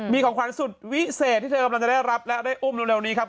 มีของขวัญสุดวิเศษที่เธอกำลังจะได้รับและได้อุ้มเร็วนี้ครับ